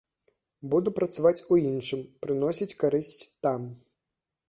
Буду працаваць у іншым, прыносіць карысць там.